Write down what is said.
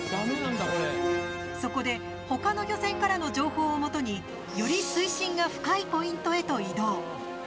そこで他の漁船からの情報をもとにより水深が深いポイントへと移動。